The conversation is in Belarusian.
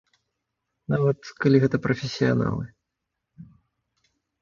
Нават, калі гэта прафесіяналы.